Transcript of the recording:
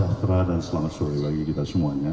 sejahtera dan selamat sore bagi kita semuanya